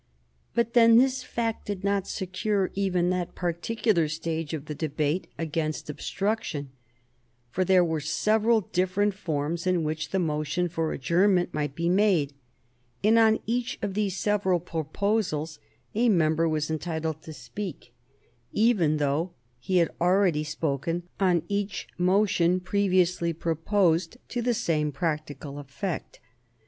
But then this fact did not secure even that particular stage of the debate against obstruction, for there were several different forms in which the motion for adjournment might be made, and on each of these several proposals a member was entitled to speak even although he had already spoken on each motion previously proposed to the same practical effect.